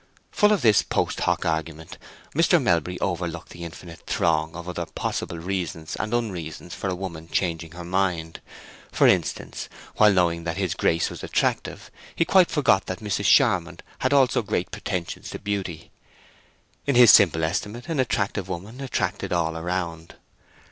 Full of this post hoc argument, Mr. Melbury overlooked the infinite throng of other possible reasons and unreasons for a woman changing her mind. For instance, while knowing that his Grace was attractive, he quite forgot that Mrs. Charmond had also great pretensions to beauty. In his simple estimate, an attractive woman attracted all around.